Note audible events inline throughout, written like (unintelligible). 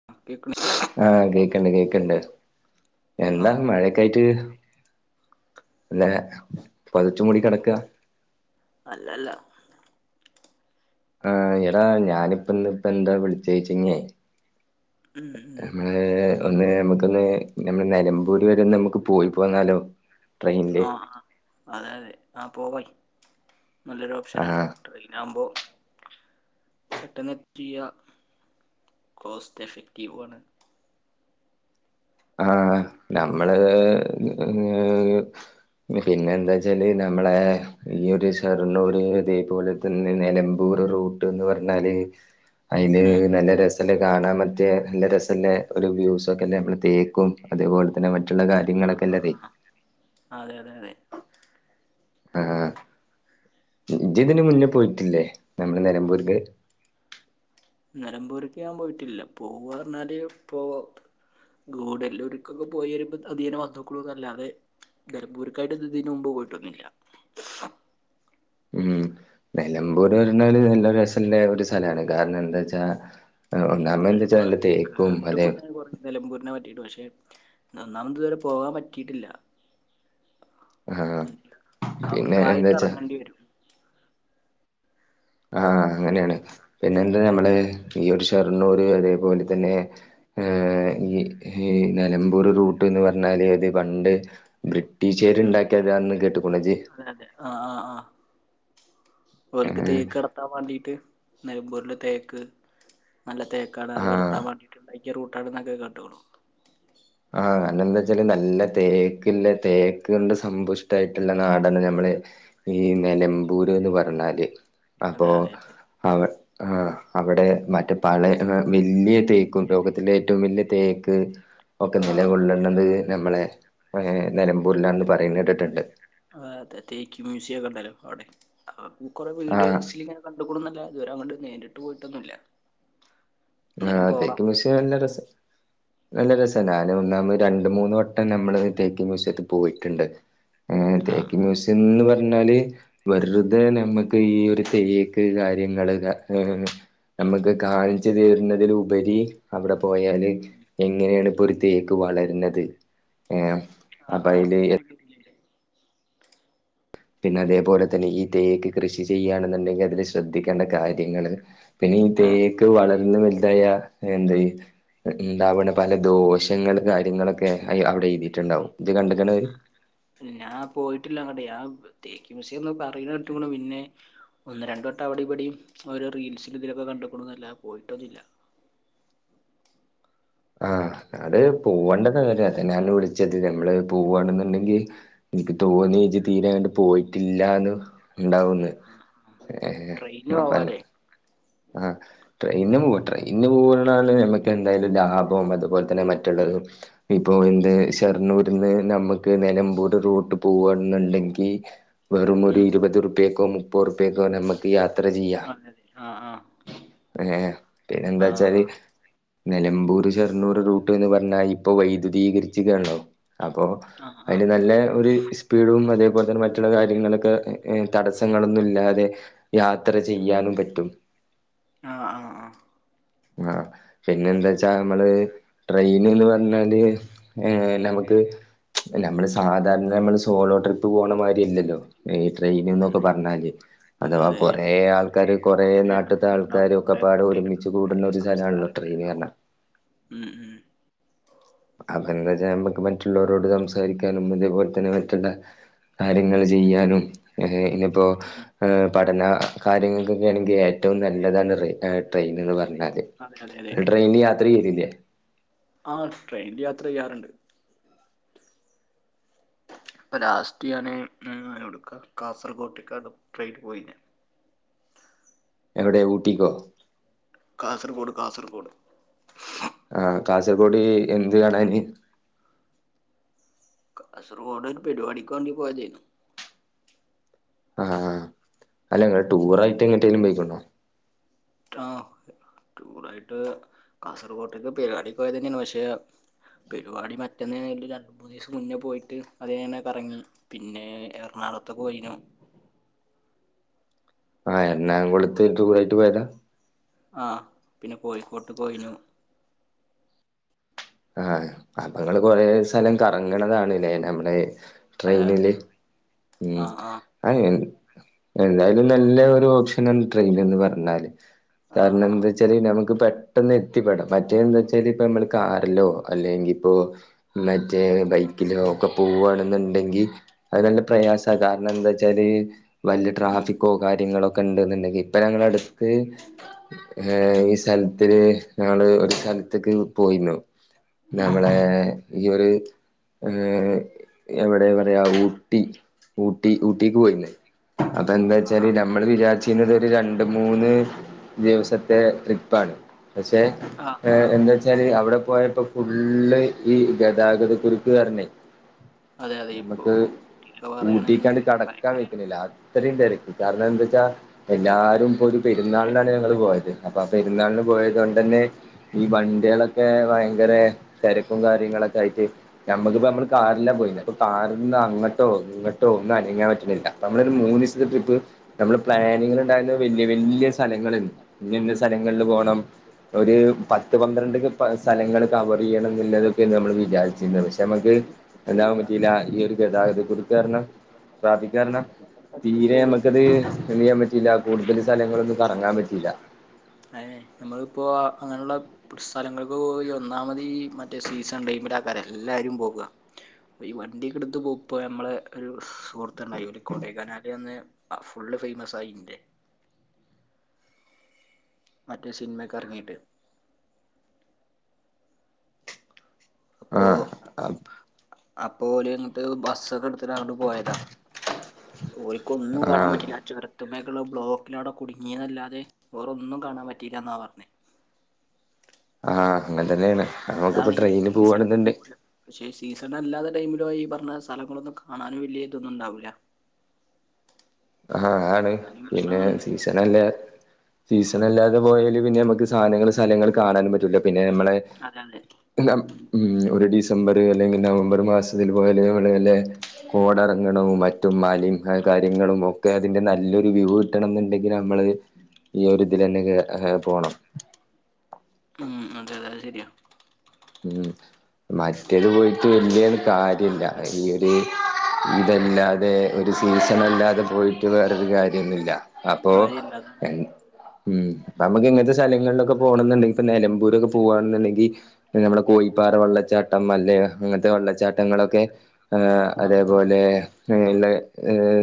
(unintelligible) ആഹ് കേക്ക്ണ്ട് കേക്ക്ണ്ട് ആ എന്താ മഴയക്കായിട്ട് അല്ല പതുച്ചു മുടി കിടക്ക അല്ലല്ല ആഹ് ടാ ഞാനിപ്പ ഇന്ന് ഇപ്പ എന്താ വിളിചേച്ചേന്നെ ഉം ഉം നമ്മ ഏഹ് ഒന്ന് നമുക്കൊന്ന് നമ്മളെ നിലമ്പൂര് വരെ ഒന്ന് നമുക്ക് പോയി പോന്നാലോ ട്രെയിനില് ആഹ് അതെ അതെ ആഹ് പോവായി നല്ലൊരു ഓപ്ഷനാണ് ആഹ് ട്രെയിനാവുമ്പോ പെട്ടെന്ന് എത്തിയ കോസ്റ്റ് എഫക്റ്റീവു ആണ് ആഹ് നമ്മള് ഏഹ് പിന്ന എന്താച്ചാല് നമ്മളെ ഈ ഒരു സർണ്ണൂര് ഇതേപോലെ തന്നെ നിലമ്പൂർ റൂട്ട്ന്ന് പറഞ്ഞാല് അതിന് ഉം നല്ല രസല്ല കാണാൻ പറ്റിയ നല്ല രസല്ല ഒരു വ്യൂസ ഒക്കെല്ലെ നമ്മള തേക്കും അതേപോലെ തന്നെ മറ്റുള്ള ആ കാര്യങ്ങളൊക്കെല്ലതെ ആ അതെ അതെ അതെ ആഹ് ജിതിന്റെ മുന്നേ പോയിട്ടില്ലേ നമ്മള് നിലമ്പൂര്ക്ക് നിലമ്പൂര്ക്ക് ഞാൻ പോയിട്ടില്ല പോവാറഞ്ഞാല് പോ ഗൂഡല്ലൂക്കൊക്കെ പോയി വരുമ്പോ അധീനെ വന്നോക്കളൂ എന്നല്ലാതെ നിലമ്പൂർക്കായിട്ട്ത് തിന് മുമ്പ് പോയിട്ടൊന്നുല്ല ഉം നിലമ്പൂർ പറഞ്ഞല് നല്ല രസള്ള ഒരു സ്ഥലാണ് കാരണെന്താച്ചാ ആഹ് ഒ (unintelligible) ത്തെ ട്ടക്കു (unintelligible) നിലമ്പൂരിനെ പറ്റിയിട്ടു പക്ഷെ ഒന്നാമത് തു പോകാൻ പറ്റിയിട്ടില്ല ആഹ് അല്ല പിന്നെ അവിട്ക്കായിട്ട് എന്താച്ചാ ഇറങ്ങണ്ടി വരും ആഹ് അങ്ങനെയാണ് പിന്നെന്ത നമ്മള് ഈയഒരു ഷെർണ്ണൂര് അതേപോലെ തന്നെ ഏഹ് ഈ ഇ നിലമ്പൂര് റൂട്ട്ന്ന് പറഞ്ഞാല് അത് പണ്ട് ബ്രിട്ടീ ഷാര് ഇണ്ടാക്കിയതാന്ന് കേട്ട്ക്കജ്ജ് തെ അതെ ആഹ് ആഹ് ആഹ് ഓൽക്ക് ഏഹ് തേക്കടത്താൻ വേണ്ടീട്ട് നെലമ്പൂരില് തേക്ക് നല്ല തേക്കാണ് അത് ആഹ് കടത്താൻ വേണ്ടിട്ടുണ്ടായി ഇ റൂട്ടാണന്നൊക്കെ കണ്ടോളു ആഹ് രണ ന്താ ച്ചാല് നല്ല തേക്ക്ല്ല തേക്ക് കൊണ്ട് സമ്പുഷ്ടായിട്ടുള്ള നാടാണ് ഞമ്മളെ ഈ നലമ്പൂര് എന്ന് പറഞ്ഞാല് അപ്പോ അതെ അതെ അതെ അവ ആഹ് അവിടെ മറ്റേ പഴയ വല്യ തേക്കും ലോകത്തില ഏറ്റവും വലിയ തേക്ക് ഓക്കെ ആ നില ആ കൊള്ളണത് നമ്മളെ ഏഹ് നിലമ്പൂരിലാണന്ന് പറയുന്ന കേട്ടിട്ടുണ്ട് ആഹ് അതെ തേക്ക് മ്യൂസിയം ഒക്കെ ഇണ്ടല്ലോ അവിടെ കൊറെ വീഡിയോ ആഹ് സീനാ കണ്ടൂക്കുണൊന്നൂല്ല ഇതുവരെ അങ്ങട്ട് നേരിട്ട് പോയിട്ടൊന്നുല്ല ആഹ് തേക്ക് മ്യൂസിയം നല്ല രസാ നല്ല രസാണ് ഞാൻ ഒന്നാമത് ഒരു രണ്ട് മൂന്ന് വട്ടം നമ്മള് തേക്ക് മ്യൂസിയത്ത് പോയിട്ടുണ്ട് ഏഹ് ആ തേക്ക് മ്യൂസിയന്ന് പറഞ്ഞാല് വെറുതെ നമ്മക്ക് ഈ ഒരു തേക്ക് കാര്യങ്ങള് ക ഏഹ് നമ്മക്ക് കാഴ് ച്ച തരുന്നതില് ഉപരി അവിടെ പോയാല് എങ്ങനെയാണ് ഇപ്പോ ഒരു തേക്ക് വളരുന്നത് ഏഹ് ആ അപ്പ അയില് (inaudible) പിന്നെ അതേപോലെ തന്നെ ഈ തേക്ക് കൃഷി ചെയ്യാണെന്നുണ്ടെങ്കില് അതില് ശ്രദ്ധിക്കേണ്ട കാര്യങ്ങള് പിന്നെ ഈ ആ തേക്ക് വളർന്ന് വലുതായ എന്തേ ഇണ്ടാവണ പല ദോഷങ്ങള് കാര്യങ്ങളൊക്കെ അയ് അവിടെ എഴുതിയിട്ടുണ്ടാവും ഇത് കണ്ട്ക്കണെ ഞാ പോയിട്ടില്ല അങ്ങടെ ആ തേക്ക് മ്യൂസിയെന്ന് പറയണ കേട്ടുക്കണു പിന്നെ ഒന്ന് രണ്ട് വട്ടം അവിടേം ഇവിടേം ഒരോ റീൽസിൽലും ഇതിലൊക്കെ കണ്ടുക്കണുന്നല്ലാതെ പോയിട്ടൊന്നും ഇല്ല ആഹ് അത് പോവണ്ട സംഗതിയാ അതിനാണല്ലോ വിളിച്ചത് നമ്മള് പോവാണെന്നുണ്ടെങ്കിൽ എനിക്ക് തോന്നി ഇജ്ജ് തീരാ അങ്ങട് പോയിട്ടില്ലാന്ന് ഉണ്ടാവൂന്ന് ഏഹ് ട്രെയിന് നാപ്പല്ലേ പോവാലേ ആഹ് ട്രെയിന് പോവാം ട്രെയിന് പോവണതാണ് നമ്മക്ക് എന്തായാലും ലാഭം അതുപോലെ തന്നെ ഉം മറ്റുള്ളതും ഇപ്പൊ എന്ത് ഷർണ്ണൂരിന്ന് നമുക്ക് നിലമ്പൂറ് റൂട്ട് പോവാണെന്നുണ്ടെങ്കി വെറും ഒരു ഉം ഇരുപതുറുപ്പ്യക്കും മുപ്പത് ഉറുപ്പ്യക്കോ നമ്മക്ക് യാത്ര ചെയ്യാം അതെ അതെ ആഹ് ആഹ് ഏഹ് പിന്നെന്താച്ചാല് ആഹ് നിലമ്പൂര് ഷെർണൂര് റൂട്ട് എന്ന് പറഞ്ഞാല് ഇപ്പൊ വൈദ്യുതീകരിച്ച്ക്കാണല്ലോ അപ്പോ ആഹ് ആഹ് അയില് നല്ലെ ഒരു (unintelligible) ടും അതേപോലെ തന്നെ മറ്റുള്ള കാര്യങ്ങളൊക്കെ തടസ്സങ്ങളൊന്നും ഇല്ലാതെ യാത്ര ചെയ്യാനും പറ്റും ആഹ് ആഹ് ആഹ് ആഹ് പിന്നെ എന്താച്ചാ നമ്മള് ട്രെയിൻന്ന് പറഞ്ഞാല് ഏഹ് നമ്മക്ക് നമ്മള് സാധാരണ നമ്മള് സോളോ ട്രിപ്പ് പോകണ മാതിരി അല്ലല്ലോ ഈ ട്രെയിന് ഉം എന്നൊക്കെ ഉം പറഞ്ഞാല് അതെ അഥവാ അതെ അതെ കൊറെ ആൾക്കാാര് കൊറേ നാട്ട് പ്പത്തെ ആൾക്കാരുണ്ടാവും ആൾക്കാരും ഒക്കെ കൊറേ പാടെ ഒരുമിച്ച് നാട്ടുകാരുണ്ടാവും കൂടുന്ന കൊറേ ഒരു സ്ഥലാണല്ലോ ട്രെയിന് സംസ്കാരങ്ങളുണ്ടാവും പറഞ്ഞാ ഉം ഉം (unintelligible) നമ്മക്ക് മറ്റുള്ളവരോട് സംസാരിക്കാനും അതേപോലെ തന്നെ മറ്റുള്ള കാര്യങ്ങള് ചെയ്യാനും ഏഹ് ഇനിപ്പോ ഏഹ് പഠന കാര്യങ്ങൾക്കൊക്കെ ആണെങ്കി ഏറ്റവും നല്ലതാണ് റെ ട്രെയിൻ എന്ന് പറഞ്ഞാല് അതെ അതെ അതെ ട്രൈയിനി യാത്ര ചെയ്തില്ലേ ആഹ് ട്രെയിനിൽ യാത്ര ചെയ്യാറുണ്ട് ഇപ്പം ലാസ്റ്റ് ഞാന് ഉം (unintelligible) കാസർകോട്ട്ക്കാ ട്രെയിൻ പോയിനെ എവിടെ ഊട്ടിക്കോ കാസർഗോഡ് കാസർഗോഡ് ആഹ് കാസർഗോഡ് എന്ത് കാണാന് കാസർകോഡ് പരിപാടിക്ക് വേണ്ടി പോയതേരുന്നു ആഹ് അല്ല ഇങ്ങള് ടൂർ ആയിട്ട് എങ്ങട്ടേലും പോയിക്കണ്ണോ (unintelligible) ആയിട്ട് കാസർഗോട്ടേക്ക് പെരിപാടിക്ക് പോയതേനി പക്ഷെ പെരുപാടി (unintelligible) മൂന്നിസം മുന്നേ പോയിട്ട് അതിയെ ഇങ്ങനെ കറങ്ങി പിന്നെ എറണാകുളത്ത് പോയിനു ആഹ് എറണാകുളത്ത് ദൂ (unintelligible) പോയത ആഹ് പിന്നെ കോഴിക്കോട്ട് പോയിനു ആഹ അപ്പങ്ങള്ൾ കൊറെ സ്ഥലം കറങ്ങണതാണ്ല്ലേ നമ്മലെ അതെ അതെ ട്രെയിനില് ഉം ആഹ് ആഹ് (unintelligible) എന്തായാലും നല്ല ഒരു ഓപ്ഷനാണ് ട്രെയിൻ എന്ന് പറഞ്ഞാല് ആഹ് കാരണം എന്താ ആഹ് വെച്ചാല് നമ്മുക്ക് പെട്ടെന്ന് എത്തിപ്പെടാം മറ്റേ എന്താ വെച്ചാല് ഇപ്പ നമ്മള് കാ ല്ലോ അല്ലെങ്കി ഇപ്പോ മറ്റേ ബൈക്കിലോ ഒക്കെ പോവവാണെന്നുണ്ടെങ്കിൽ അത് നല്ല പ്രയാസമാണ് കാരണം എന്താ വച്ചാല് ഉം വലിയട്രാഫിക്കോ കാര്യങ്ങളൊക്കെ ഉണ്ടെന്നുണ്ടെങ്കിൽ ഇപ്പൊ ഞങ്ങളുടെ അടുത്ത് ഏഹ് ഈ സ്ഥലത്തില് ഞങ്ങള് ഒരു സ്ഥലത്തേക്ക് പോയിന്നു ഉം നമ്മളെ ഉം ഈ ഒരു എവിടെ പറയാ ഊട്ടി ഊട്ടി ഊട്ടിക്ക് പോയില്ലേ അതെന്താ ആഹ് വെച്ചാല് ആഹ് നമ് നമ്മൾ വിചാരിച്ചിരുന്നത് ഒരു രണ്ടു മൂന്ന് ദിവസത്തെ ട്രിപ്പാണ് പക്ഷെ ആഹ് ആഹ് എന്താ വച്ചാല് അവിടെ പോയപ്പോ ഫുള്ള് ഈ ഗതാഗത കുരുക്ക് കാരണേ അതെ അതെ ഇപ്പൊ നമ്മക്ക് ഊട്ടിക്കെ ഊട്ടിക്കണ്ട് പറയാണെന്നുണ്ടെങ്കിൽ കടക്കാൻ ഭയങ്കര പറ്റണില്ല (unintelligible) അത്രേ തിരക്ക് കാരണം എന്താന്നു വെച്ചാ എല്ലാരും ഇപ്പൊ ഒരു പെരുന്നാളിനാണ് ഞങ്ങള് മറ്റേ പോയത്. എന്താ പറയാ അപ്പൊ ആ പെരുന്നാളിന് പോയത് ഇതിന്റെ കൊണ്ട്തന്നെ ട്രെയിൻ ഈ വണ്ടികളൊക്കെ ഭയങ്കര തിരക്കും കാര്യങ്ങളൊക്കെ ആയിട്ട് നമ്മുക്കിപ്പ നമ്മള് കാറില്ലാ പോയത്. അപ്പൊ ഇതിന്റെ കാറിൽ നിന്ന് അങ്ങോട്ടോ ഇങ്ങോട്ടോ ഒന്നും അനങ്ങാൻ പറ്റുന്നില്ല അപ്പ നമ്മള് ഒരു മൂന്നു ദിവസത്തെ ട്രിപ്പ് നമ്മള് പ്ലാനിങ്ങിൽ ഉണ്ടായിരുന്നത് വല്യ വല്യ സ്ഥലങ്ങള് ഇന്നന്ന സ്ഥലങ്ങളിൽ പോണം. ഒരു പത്ത് പന്ത്രണ്ട് സ്ഥലങ്ങൾ കവർ ചെയ്യണം ഇല്ല എന്നതൊക്കെ നമ്മൾ വിചാരിച്ചിരുന്നത് പക്ഷേ നമ്മക്ക് എല്ലാവും കാരണം പറ്റിയില്ല ഈ ഒരു ഗതാഗതകുരുക്കു കാരണം ട്രാഫിക്കാരണം നമ്മക്ക് തീരെ പോയി നമ്മുക്കത് എന്ത് ചെയ്യാൻ പറ്റില്ല കൂടുതൽ സ്ഥലങ്ങളൊന്നും കറങ്ങാൻ പറ്റിയില്ല അതെ നമ്മളിപ്പോ അങ്ങനുള്ള ഇപ്പം ഒരു സ്ഥലങ്ങൾക്ക് പോ ഒന്നാമതി മറ്റേ സീസൺ ടൈമിലാ ആക്കാര് എല്ലാരും പോക ഈ വണ്ടിയൊക്കെ എടുത്ത് പോകപ്പോയ നമ്മടെ ഒരു സുഹൃ ത്തുണ്ടായി ഒരു കൊടേകനാലിൽ വന്ന് ഫുള്ള് ഫേമസ് ആയി ഇന്റെ മറ്റേ സിനിമയൊക്ക ഇറങ്ങിയിട്ട് അപ്പോ ആഹ് അപ്പോ ഓള് ങ്ങട്ട് ബസ്സൊക്കെ എടുത്തിട്ട് അങ്ങോട്ട് പോയതാ ഓല് ക്കൊന്നും കാണാൻ ആഹ് പറ്റില്ല ചൊരത്തു മെ കുള്ള ബ്ലോക്ക് ലവിടെ കുടുങ്ങിയതല്ലാതെ വേറൊന്നും കാണാൻ പറ്റയില്ല എന്നാ പറഞ്ഞ ആഹ് അങ്ങനെ തന്നെയാണ് നമ്മക്ക് അതാണ് ഇപ്പോ ഈ ട്രെയിനിൽ സീസൺ ടൈമില് പോകുവാണെന്നുണ്ട പോലും പക്ഷെ സീസൺല്ലാത്ത ടൈമിലോ ഈ പറഞ്ഞ സ്ഥലങ്ങളൊന്നും കാണാനും വലിയ ഇതൊന്നും ഉണ്ടാവൂല ആഹ് ആഹണ് അങ്ങനെയും പിന്നെ പ്രശ്നങ്ങളുണ്ട് സീസൺ അല്ലേ സീസൺ അല്ലാതെ പോയല് പിന്നെ നമ്മുക്ക് സാധങ്ങള്, സ്ഥലങ്ങള്, കാണാനും പറ്റൂല്ല പിന്നെ നമ്മളെ അതെ അതെ ഉം ഒരു ഡിസംബർ അല്ലെങ്കിൽ നവംബർ മാസത്തിൽ പോയാൽ അല്ലേ കോട ഇറങ്ങണവും മറ്റും മലെ ഉം കാര്യങ്ങളും ഒക് കെ അതിന്റെ നല്ലൊരു വ്യൂ കിട്ടണം എന്നുണ്ടെങ്കിൽ നമ്മള് ഈ ഒരു ഇതിൽ തന്നെ കേറ പോണം. ഉം അതെ അതെ ശരിയാ. ഉം മറ്റേത് പോയിട്ട് വല്യ ഒരു കാര്യമില്ല ഇ ഒര് ഇതല്ലാതെ ഒരു സീസൺ അല്ലാതെ പോയിട്ട് വേറൊരു കാര്യം ഇല്ല അപ്പോ കാര്യമില്ല അതാണ് എ ഉം അപ്പ നമ്മുക്ക് ഇങ്ങനത്തെ സ്ഥലങ്ങളിലൊക്കെ പോകണം എന്നുണ്ടെങ്കിൽ ഇപ്പൊ നിലമ്പൂരൊക്കെ പോവാണെന്നുണ്ടെങ്കി പിന്ന നമ്മുടെ കോഴിപ്പാറ വെള്ളച്ചാട്ടം അല്ലേ അങ്ങനത്തെ വെള്ളച്ചാട്ടങ്ങളൊക്കെ ആ ആ ആ അതേപോലെ ഇങ്ങനെ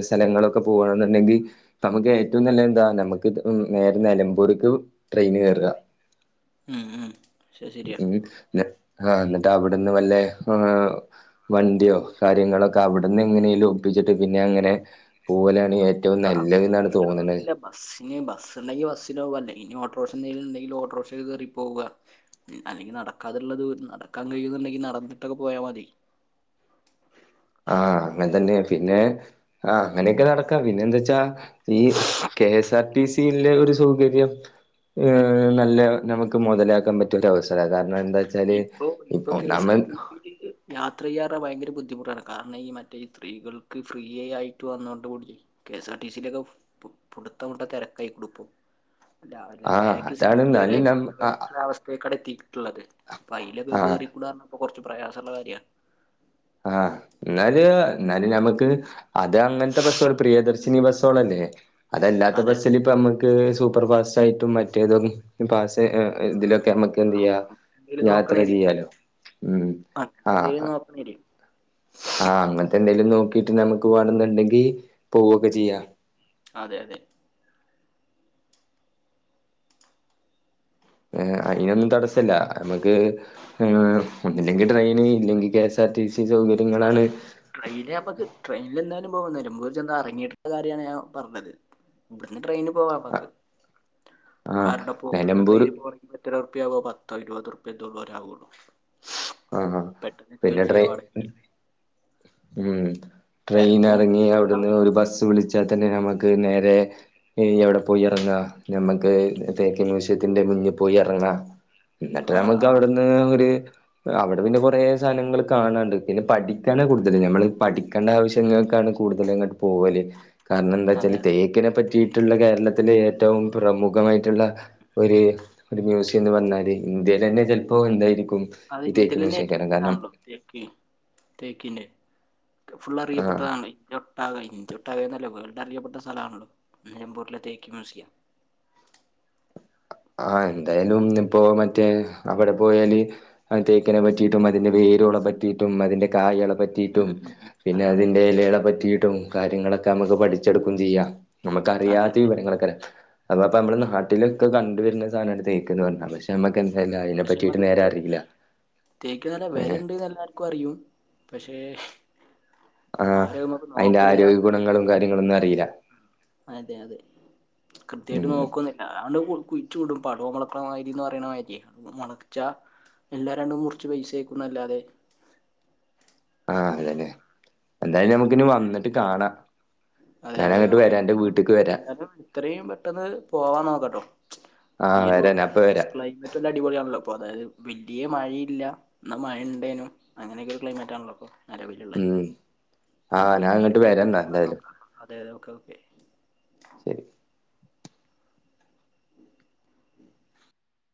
സ്ഥലങ്ങളൊക്കെ പോകണെന്നുണ്ടെങ്കിൽ നമുക്ക് ഏറ്റവും നല്ല എന്താ നമ്മുക്ക് ത് നേര നലമ്പൂര്ക്ക് ട്രെയ്ന് കേറാ ഉം ഉം ശരി ശരിയാ ഉം ആ ന്നിട്ട് അവിട്ന്ന് വല്ലേ ആ വണ്ടിയോ കാര്യങ്ങളൊക്കെ അവിട്ന്ന് എങ്ങനെലും ഒപ്പിച്ചിട്ട് പിന്നെങ്ങനെ പോവലാണ് ഏ റ്റവും നല്ലത് അവിടുന്ന് ന്നാണ് തോന്ന്ണത് ഒപ്പിക്കണമെന്നില്ല ബസ്സിന് ബസ് ണ്ടെങ്കി ബസ്സില് പോക അല്ലങ്കി ഇനി ഓട്ടോർക്ഷന്തേലും ണ്ടെങ്കിൽ ഓട്ടോർക്ഷക്ക് കേറി പോവാ അല്ലെങ്കി നടക്കാതുള്ളത് നടക്കാൻ കഴിയുന്നുണ്ടെങ്കിൽ നടന്നിട്ടൊക്കെ പോയാ മതി ആ അങ്ങൻ തന്നെ പിന്നെ ആ അങ്ങനെക്കെ നടക്കാ പിന്നെ എന്താച്ചാ ഈ K S R T C യിലെ ഒരു സൗകര്യം ഏ നല്ല നമുക്ക് മുതലാക്കാൻ പറ്റിയൊരു അവസര കാരണം എന്താ വെച്ചാല് ഇപ്പൊ ഇപ്പൊ കെ സ് ആർ ഒന്നാമൻ ടി സി ക്ക് യാത്രയ്യാറ്ഞ്ഞാ ഭയങ്കര ബുദ്ധിമുട്ടാണ് കാരണം ഈ മറ്റേ ഈ സ്ത്രീകൾക്ക് ഫ്രീയ ആയിട്ട് വന്നതൊണ്ട് കൂടി K S R T C യിലൊക്കെ പുട് പുട്ത്തം വ്ട്ട തെരക്കായ്ക്കുണു പ്പൊ അല്ല അല്ല ആഹ് ബാക്ക് അതാണ് സീറ്റില് വരെ എന്നാലും പ നം ആഹ് (unintelligible) അവസ് അ കടത്തിയിട്ടുള്ളത് അപ്പൊ അയ്ലൊക്കെ ആഹ് കേറിക്കൂടാർഞ്ഞാ പ്പൊ കൊർച്ച് പ്രയാസള്ള കാര്യാണ് ആ ന്നാല് ന്നാ പിന്നെ ഞമ്മക്ക് അത് അങ്ങൻത്തെ ബസ്സോൾ പ്രിയദർശിനി ബസ്സോളല്ലേ അതല്ലാത്ത അതെ അതെ ബസ്സില് പ്പ മ്മക്ക് സൂപ്പർ ഫാസ്റ്റായിട്ടും മറ്റേത് പാസ് ഇതിലൊക്കെ നമ്മക്ക് എന്ത് ആ യ്യാ അങ്ങനത്തെ എന്തെങ്കിലും യാത്ര നോക്കണേരി ചെയ്യാലോ ഉം ആ അങ്ങനത്തെ (unintelligible) ആ അങ്ങൻത്തെന്തേലും നോക്കിട്ട് നമുക്ക് വേണന്നുണ്ടെങ്കി പോവൊക്കെ ചെയ്യാ അതെ അതെ ഏ അയ്നൊന്നും തടസ്സല്ല നമക്ക് ഏ ഒന്നില്ലെങ്കിൽ ട്രെയിന് ഇല്ലെങ്കി K S R T C സൗകര്യങ്ങളാണ് ട്രെയ്ൽ അപ്പക്ക് ട്രെയിന്ൽ എന്താലും പോകും നെലമ്പൂര് ചെന്ന് എറങ്ങീട്ട്ള്ള കാര്യാണ് ഞൻ പറഞ്ഞത് ഇവിടുന്ന് ട്രെയിന് പോവാമ്മക്ക് ആഹ് കാരുടെ പോ ഇവിടുന്ന് നിലമ്പൂർ ട്രെയിന് പോവാ ഇ എത്ര റുപ്യാവോ പത്തോ ഇരുപത് റുപ്യ എന്തേ ഉള്ളൂ ഒരവുള്ളൂ ആഹ് പെട്ടെന്ന് പിന്നെ തുചിയ വട ട്രെയിൻ ഉം ട്രെയിൻ തിരക്കും എറങ്ങി ബ്ലോക്കൊന്നും അവിടുന്ന് ഉണ്ടാവില്ലല്ലോ ഒരു ബസ് വിളിച്ച് ച്ചാ തന്നെ നമക്ക് നേരെ എവിടെ പോയി എറങ്ങാ നമക്ക് തേക്ക് തേക്കിൻ മ്യൂസിയത്തില് മൂസി യത്തിന്റെ മുന്നിൽ പോയി എറങ്ങ എന്നിട്ട് ആഹ് നമുക്ക് ആഹ് അവിടുന്ന് ഒരു അവിടെ പിന്നെ കുറെ സാധനങ്ങള് കാണാണ്ട് പിന്നെ പഠിക്കാനാ കൂടുതൽ ഞമ്മള് പഠിക്കേണ്ട ആവശ്യങ്ങൾക്കാണ് കൂടുതല അങ്ങട്ട് പോവല് കാരണം എന്താ അതെ വെച്ചാല് അതെ തേക്ക് ക്കിനെ പറ്റിയിട്ടുള്ള കേരളത്തിലെ ഏറ്റവും പ്രമുഖമായിട്ടുള്ള ഒരു മ്യസ ന്ന് പറഞ്ഞാല് ഇന്ത്യയിലന്നെ ചെൽപ്പോ എന്തായിരിക്കും അത് ഈ തേക്ക് ഇന്ത്യലന്നെ മ്യൂസിയം ഏറ്റവും കാരണം കാരണം വലുതാണല്ലോ തേക്ക തേക്കിന്റെ ക്കെ ഫുൾ ആ അറിയപ്പെട്ടതാണ് ആകെ ഇന്ത്യ ഒട്ടാകന്നല്ല വേൾഡ് അറിയപ്പെട്ട സ്ഥലണല്ലോ നിലമ്പൂരിലെ തേക്ക് മ്യൂസിയം ആ എന്തായാലും ഇപ്പോ മറ്റേ അവിടെ പോയാല് ആ തേക്കനെ പറ്റിയിട്ടും അതിന്റെ വേരുകളെ പറ്റിയിട്ടും അതിന്റെ കായകളെ ഉം പറ്റിയിട്ടും ഉം ഉം പിന്നെ അതെ അതെ അതിന്റെ ഇലകളെ പറ്റിട്ടും കാര്യങ്ങളൊക്കെ നമുക്ക് പഠിച്ചെടുക്കും ചെയ്യാ നമുക്ക അതെ അറിയാത്ത അതെ വിവരങ്ങളെക്കരം അപ്പൊ അപ്പൊ നമ്മള് നാട്ടിലൊക്കെ കണ്ടുവരുന്ന സാധനാണ് തേക്ക് എന്ന് പറഞ്ഞ പക്ഷെ നമ്മക്ക് എന്തായാലും അ അതിനെ പക്ഷേ പറ്റിയിട്ട് നമക്ക നേരെ അറിയില്ല തേക്ക് നല്ല ഏഹ് വിലണ്ട്ന്ന് ല്ലാ ർക്കും അറിയും പക്ഷേ ആഹ് ആരും അയ്മക്ക് അതിന്റെ ആരോഗ്യ നോക്കലില്ലാന്ന ഗുണങ്ങളും കാര്യങ്ങളൊന്നും അറിയില്ല (unintelligible) അതെ അതെ കൃത്യയിട്ട് ഉം നോക്കുന്നില്ല അ കുഴ് കുയ്ച്ചുടും പടു മൊൾക്ക് ണമാരി ന്ന് പറയ്ണ മാരിയ് മുളച്ച എല്ലാര രണ്ടും മുറിച്ച് പൈസ ആക്കുംന്നല്ലാതെ ആ അതന്നെ എന്തായാലും നമുക്ക് നി വന്നിട്ട് കാണാ അതെ അത ഓക്കെ എന്നാലും വരാം എന്താലും എത്രയും പെട്ടെന്ന് പോവാൻ നോക്കട്ടോ ആഹ് ഈയൊരു വരാം ഞാൻ ഇപ്പ വരാം ക്ലൈമറ്റ് ല്ല അടിപൊളിയാണല്ലോ അപ്പൊ അതായത് വലിയ മഴയില്ല ന്നാ മഴണ്ടേനും അങ്ങനെയൊക്കെ ഒരു ക്ലൈമറ്റ് ആണല്ലോ പ്പൊ നിലവിലുള്ളത് ഉം ആഹ് പിന്നെ ഞാൻ ഇതില ഇങ്ങട്ട് തന്നെയാണ് വരാ വേറി ന്നാ കൂ എന്തായാലും നോക്ക അതെ അതക്കെക്കെ ശരി (inaudible)